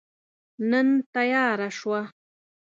نن تیاره شوه